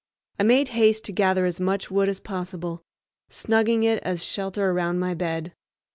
I made haste to gather as much wood as possible, snugging it as a shelter around my bed.